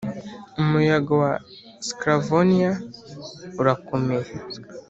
'umuyaga wa sclavoniya urakomeye,